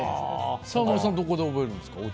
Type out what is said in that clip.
沢村さんはどこで覚えるんですか？